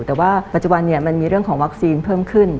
แต่ว่าปัจจุบันมันมีเรื่องของวัคซีนเพิ่มขึ้น